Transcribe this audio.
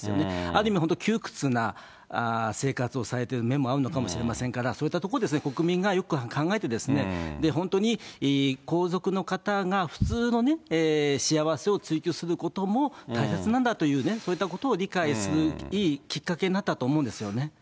ある意味、本当、窮屈な生活をされてる面もあるのかもしれませんから、そういったところ、国民がよく考えて、本当に皇族の方が普通の幸せを追求することも大切なんだという、そういったことを理解するいいきっかけになったと思うんですよね。